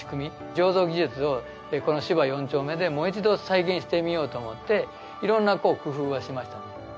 醸造技術をこの芝四丁目でもう一度再現してみようと思っていろんな工夫はしましたね。